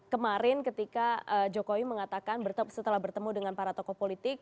kemarin ketika jokowi mengatakan setelah bertemu dengan para tokoh politik